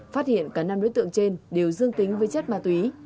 phát hiện cả năm đối tượng trên đều dương tính với chất ma túy